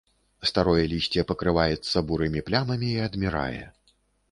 Старое лісце пакрываецца бурымі плямамі і адмірае.